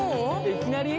いきなり？